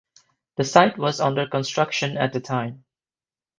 The site was under construction at the time.